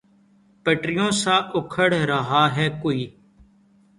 پٹریوں سا اکھڑ رہا ہے کوئی